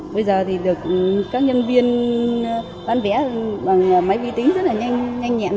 bây giờ thì được các nhân viên bán vé bằng máy vi tính rất là nhanh nhanh nhẹn